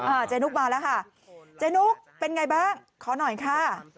อ่าเจนุกมาแล้วค่ะเจนุกเป็นอย่างไรบ้างขอหน่อยค่ะ